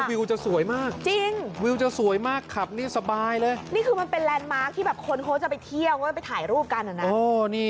วิวจะสวยมากจริงวิวจะสวยมากคำนี่สบายเลยนี่คือมันเป็น